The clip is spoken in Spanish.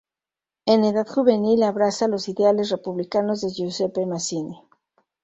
En edad juvenil abraza los ideales republicanos de Giuseppe Mazzini.